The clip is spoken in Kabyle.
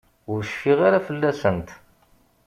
Ur cfiɣ ara fell-asent.